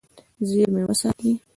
زیرمې وساتي.